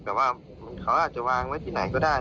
แต่ว่าเขาอาจจะวางไว้ที่ไหนก็ได้